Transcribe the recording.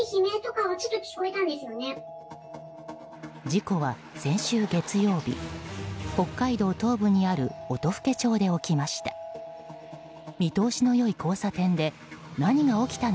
事故は先週月曜日北海道東部にある音更町で起きました。